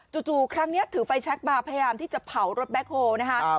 จู่จู่ครั้งเนี้ยถือไฟแชคมาพยายามที่จะเผารถแบคโฮล์นะฮะครับ